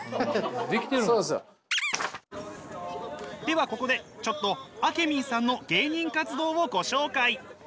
ではここでちょっとあけみんさんの芸人活動をご紹介！